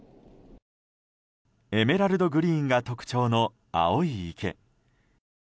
エメラルドグリーンが特徴の青い池。